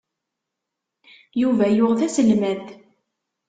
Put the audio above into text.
Yuba yuɣ taselmadt.